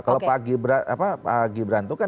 kalau pak gibran itu kan